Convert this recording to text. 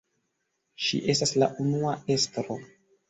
Ŝi estas la unua estro.